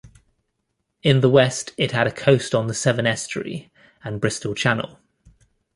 In the west it had a coast on the Severn Estuary and Bristol Channel.